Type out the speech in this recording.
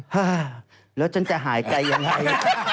ฮ่าแล้วฉันจะหายใจยังไง